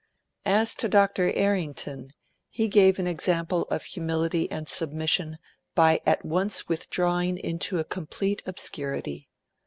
As to Dr. Errington, he gave an example of humility and submission by at once withdrawing into a complete obscurity.